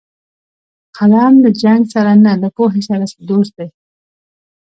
قلم له جنګ سره نه، له پوهې سره دوست دی